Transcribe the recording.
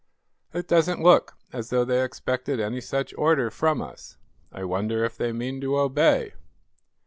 "It doesn't look as though they expected any such order from us. I wonder if they mean to obey?"